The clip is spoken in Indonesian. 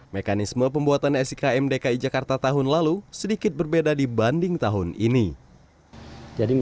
mekanisme pembuatan sikm dki jakarta tahun lalu sedikit berbeda dibanding tahun ini jadi